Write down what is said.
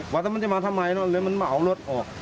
ว่าจะมาทำไมเลยมันเอารถออก